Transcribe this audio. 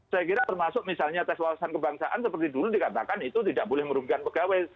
saya kira termasuk misalnya tes wawasan kebangsaan seperti dulu dikatakan itu tidak boleh merugikan pegawai